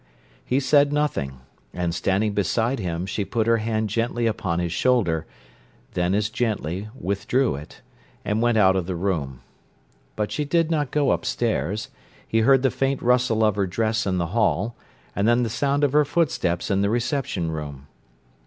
He said nothing, and, standing beside him, she put her hand gently upon his shoulder, then as gently withdrew it, and went out of the room. But she did not go upstairs; he heard the faint rustle of her dress in the hall, and then the sound of her footsteps in the "reception room."